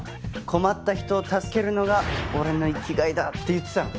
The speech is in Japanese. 「困った人を助けるのが俺の生きがいだ」って言ってたの。